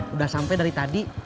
udah sampe dari tadi